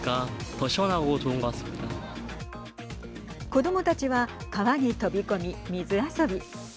子どもたちは川に飛び込み水遊び。